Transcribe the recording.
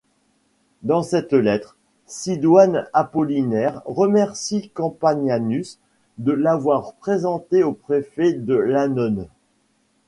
Dans cette lettre, Sidoine Apollinaire remercie Campanianus de l'avoir présenté au préfet de l'annone.